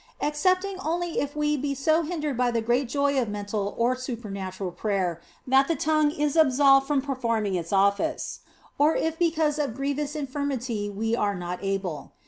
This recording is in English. Excepting only if we be so hindered by the great joy of mental or supernatural prayer that the tongue is absolved from performing its office, or if because of grievous infirmity we are not able.